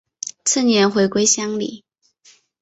次年回归乡里。